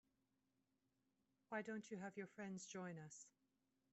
Why don't you have your friends join us?